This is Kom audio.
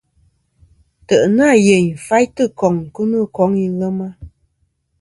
Ntè' nâ yèyn faytɨ koŋ kɨ no koŋ ilema.